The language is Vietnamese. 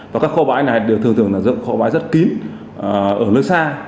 và các kho bãi này đều thường thường là dựng kho bãi rất kín ở nơi xa